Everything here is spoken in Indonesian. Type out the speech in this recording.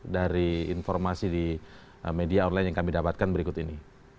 dari informasi di media online yang kami dapatkan berikut ini